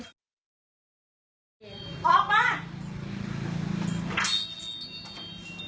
ออกมา